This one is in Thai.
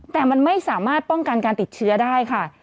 แต่มันไม่สามารถป้องกันการติดเชื้อได้ค่ะ